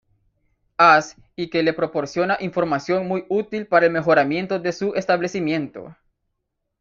As, y que le proporciona información muy útil para el mejoramiento de su establecimiento.